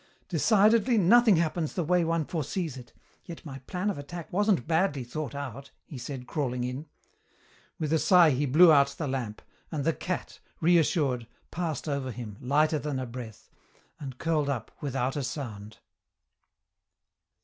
"Decidedly, nothing happens the way one foresees it, yet my plan of attack wasn't badly thought out," he said, crawling in. With a sigh he blew out the lamp, and the cat, reassured, passed over him, lighter than a breath, and curled up without a sound.